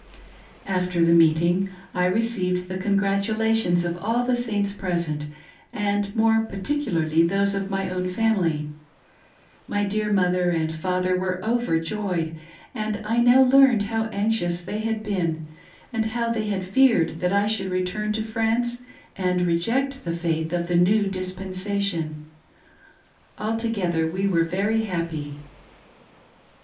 After the meeting, I received the congratulations of all the Saints pres'ent, and more particularly those of my own family. My dear mother and father were overjoyed, and I now learned, how anxious they had been, and how they had feared that I I ENGAGE IN MISSIONARY WORK. 55 should return to France and reject the faith of the new dis pensation. Altogether we were very happy.